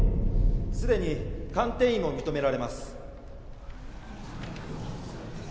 すでに肝転移も認められます。